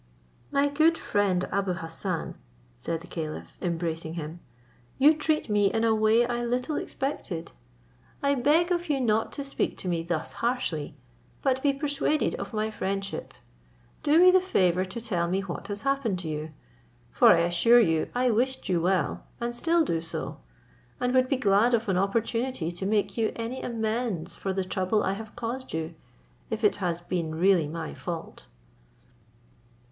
"My good friend Abou Hassan," said the caliph, embracing him, "you treat me in a way I little expected. I beg of you not to speak to me thus harshly, but be persuaded of my friendship. Do me the favour to tell me what has happened to you; for I assure you I wished you well, and still do so; and would be glad of an opportunity to make you any amends for the trouble I have caused you, if it has been really my fault."